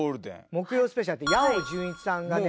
『木曜スペシャル』って矢追純一さんがね。